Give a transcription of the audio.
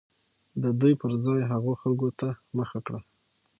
د دوى پر ځاى هغو خلكو ته مخه كړه